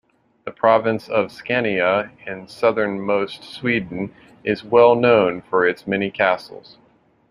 The province of Scania in southernmost Sweden is well known for its many castles.